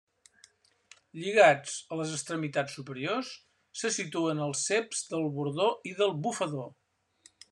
Lligats a les extremitats superiors se situen els ceps del bordó i del bufador.